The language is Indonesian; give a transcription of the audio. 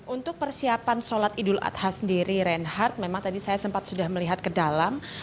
untuk persiapan sholat idul adha sendiri reinhardt memang tadi saya sempat sudah melihat ke dalam